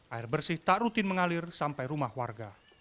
air bersih tak rutin mengalir sampai rumah warga